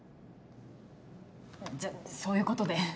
じゃそういうことで。